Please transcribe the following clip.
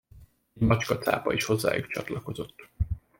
Egy macskacápa is hozzájuk csatlakozott.